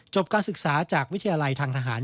การศึกษาจากวิทยาลัยทางทหาร